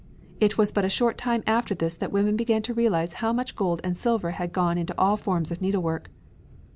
It was but a short time after this that women began to realize how much gold and silver had gone into all forms of needlework.